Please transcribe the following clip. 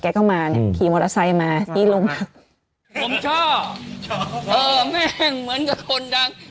เข้ามาเนี่ยขี่มอเตอร์ไซค์มาที่ลมผมชอบเออแม่งเหมือนกับคนดัง